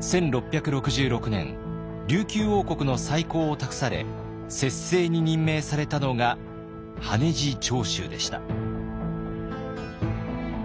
１６６６年琉球王国の再興を託され摂政に任命されたのが羽地朝秀でした。